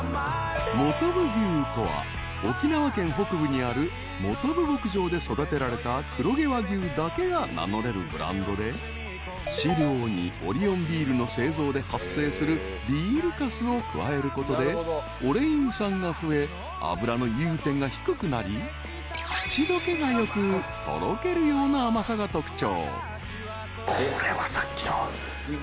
［もとぶ牛とは沖縄県北部にあるもとぶ牧場で育てられた黒毛和牛だけが名乗れるブランドで飼料にオリオンビールの製造で発生するビールかすを加えることでオレイン酸が増え脂の融点が低くなり口溶けがよくとろけるような甘さが特徴］